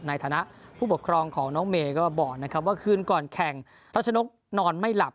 ในฐานะผู้ปกครองของน้องเมย์ก็บอกนะครับว่าคืนก่อนแข่งรัชนกนอนไม่หลับ